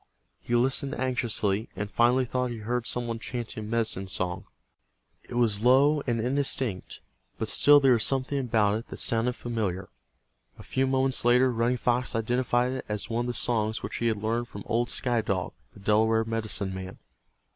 He listened anxiously, and finally thought he heard some one chanting a medicine song. It was low and indistinct, but still there was something about it that sounded familiar. A few moments later Running Fox identified it as one of the songs which he had learned from old Sky Dog, the Delaware medicine man.